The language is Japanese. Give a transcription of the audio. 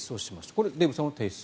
これ、デーブさんも提出？